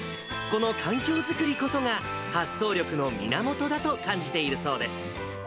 この環境作りこそが発想力の源だと感じているそうです。